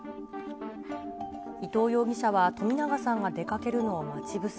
伊藤容疑者は冨永さんが出かけるのを待ち伏せ。